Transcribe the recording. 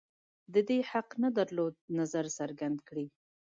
د دې حق نه درلود نظر څرګند کړي